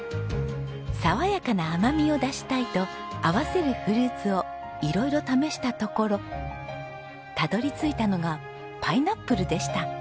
爽やかな甘みを出したいと合わせるフルーツを色々試したところたどり着いたのがパイナップルでした。